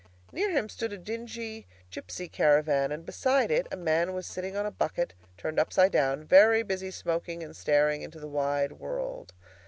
Near him stood a dingy gipsy caravan, and beside it a man was sitting on a bucket turned upside down, very busy smoking and staring into the wide world.